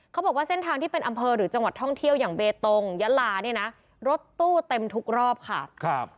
เขาบอกว่าเส้นทางที่เป็นอำเภอหรือจังหวัดท่องเที่ยวอย่างเบตงยะลาเนี่ยนะรถตู้เต็มทุกรอบค่ะครับ